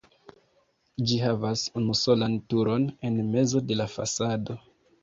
Ĝi havas unusolan turon en mezo de la fasado.